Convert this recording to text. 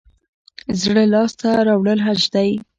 زړه لاس ته راوړل حج دی